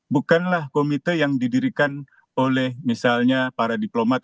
bukanlah komite yang didirikan oleh misalnya para diplomat